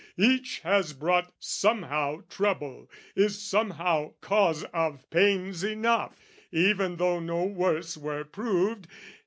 "Each has brought somehow trouble, is somehow cause "Of pains enough, even though no worse were proved.